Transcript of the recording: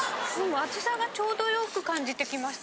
熱さがちょうどよく感じてきました。